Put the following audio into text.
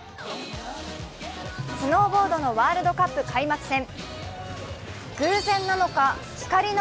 スノーボードのワールドカップ開幕戦。